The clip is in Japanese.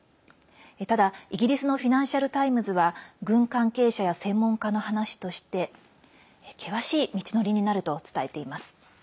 ただ、イギリスのフィナンシャル・タイムズは軍関係者や専門家の話として険しい道のりになると伝えています。